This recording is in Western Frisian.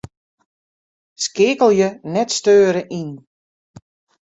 Skeakelje 'net steure' yn.